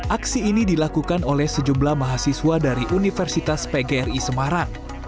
aksi ini dilakukan oleh sejumlah mahasiswa dari universitas pgri semarang